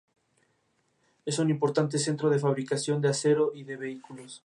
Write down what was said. Es un importante centro de fabricación de acero y de vehículos.